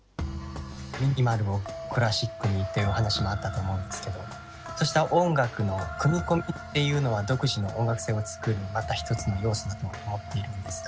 ミニマルをクラシックにっていうお話もあったと思うんですけどそうした音楽の組み込みっていうのは独自の音楽性を作るまた一つの要素だと思っているのですが。